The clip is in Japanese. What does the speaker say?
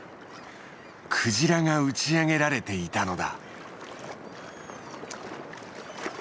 クジラが打ち上げられていたのだ。